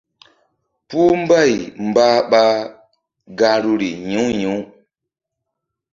Puh mbay mbah ɓa gahruri yi̧w yi̧w.